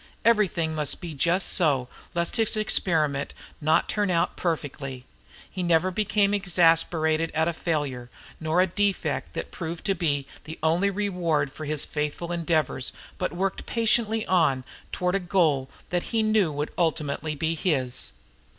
Everything must be just so lest his experiment not turn out perfectly. He never became exasperated at a failure or a defect that proved to be the only reward for his faithful endeavors but worked patiently on toward a goal that he knew would ultimately be his.